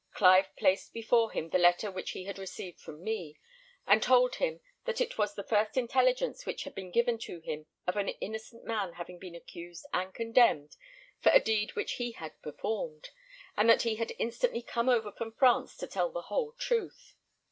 Clive placed before him the letter which he had received from me; told him that it was the first intelligence which had been given to him of an innocent man having been accused and condemned for a deed which he had performed; and that he had instantly come over from France to tell the whole truth.